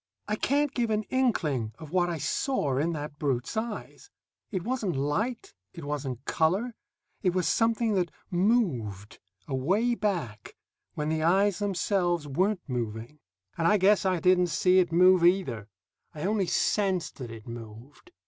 I can't give an inkling of what I saw in that brute's eyes; it wasn't light, it wasn't color; it was something that moved, away back, when the eyes themselves weren't moving. And I guess I didn't see it move, either; I only sensed that it moved.